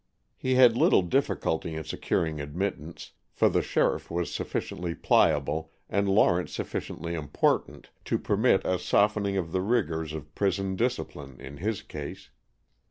He had little difficulty in securing admittance, for the sheriff was sufficiently pliable and Lawrence sufficiently important to permit a softening of the rigors of prison discipline in his case.